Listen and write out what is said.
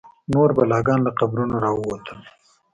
نور بلاګان له قبرونو راوتل.